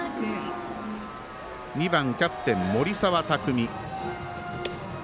２番キャプテン、森澤拓海。